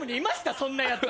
そんなやつ。